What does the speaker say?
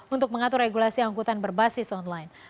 untuk mengatur regulasi angkutan berbasis online